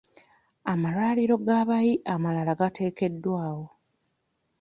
Amalwaliro g'abayi amalala gateekeddwawo.